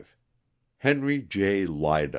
HENRY J. LYDA.